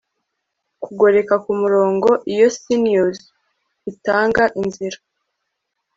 kugoreka kumurongo iyo sinews itanga inzira